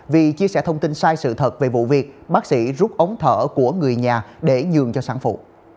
vì chia sẻ thông tin sai sự thật về vụ việc bác sĩ rút ống thở của người nhà để nhường cho sản phụ